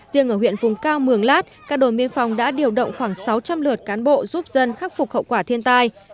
riêng ở huyện vùng cao mường lát các đồn biên phòng đã điều động khoảng sáu trăm linh lượt cán bộ giúp dân khắc phục hậu quả thiên tai